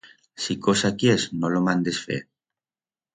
Si cosa quiers, no lo mandes fer.